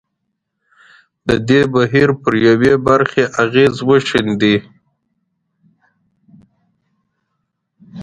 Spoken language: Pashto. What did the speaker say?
د دې بهیر پر یوې برخې اغېز وښندي.